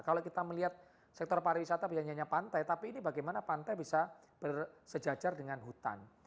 kalau kita melihat sektor pariwisata bukan hanya pantai tapi ini bagaimana pantai bisa bersejajar dengan hutan